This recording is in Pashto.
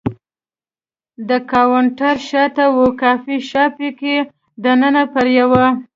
د کاونټر شاته و، کافي شاپ کې دننه پر یوه.